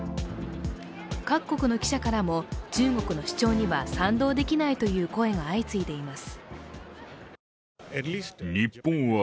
各国の記者からも、中国の主張には賛同できないという声が相次いでいます。